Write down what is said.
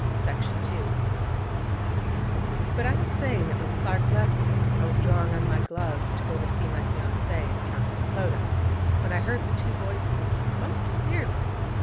But I was saying that when Clark left me, I was drawing on my gloves to go to see my fiancée, the Countess Clodagh, when I heard the two voices most clearly.